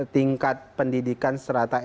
tingkat pendidikan serata